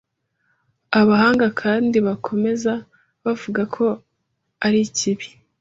Abahanga kandi bakomeza bavuga ko arikibi